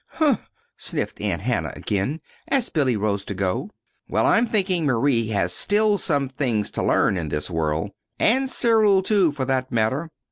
"Humph!" sniffed Aunt Hannah again, as Billy rose to go. "Well, I'm thinking Marie has still some things to learn in this world and Cyril, too, for that matter."